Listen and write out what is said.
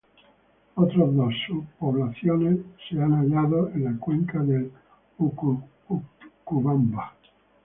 Otras dos subpoblaciones han sido halladas en la cuenca del Utcubamba.